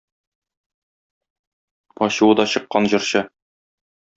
Ачуы да чыккан җырчы.